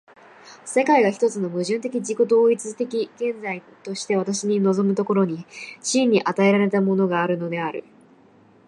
世界が一つの矛盾的自己同一的現在として私に臨む所に、真に与えられたものがあるのである。